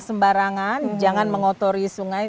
sembarangan jangan mengotori sungai